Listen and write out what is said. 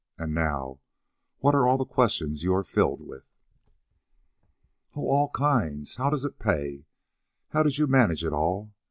.. And now what are all the questions you are filled with?" "Oh, all kinds. How does it pay? How did you manage it all?